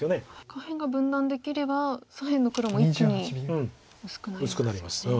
下辺が分断できれば左辺の黒も一気に薄くなりますね。